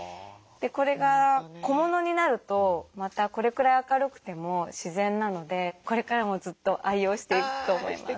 これが小物になるとまたこれくらい明るくても自然なのでこれからもずっと愛用していくと思います。